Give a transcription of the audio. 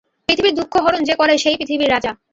পৃথিবীর দুঃখহরণ যে করে সেই পৃথিবীর রাজা।